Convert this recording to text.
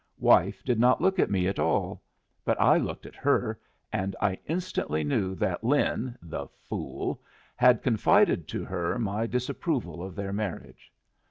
Wife did not look at me at all. But I looked at her, and I instantly knew that Lin the fool! had confided to her my disapproval of their marriage.